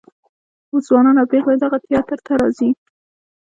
اوس ځوانان او پیغلې دغه تیاتر ته راځي.